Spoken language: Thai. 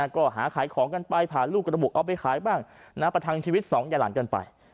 ก็หาขายของกันไปพาลูกกระบุเอาไปขายบ้างประทังชีวิต๒ใยหลานเกินไป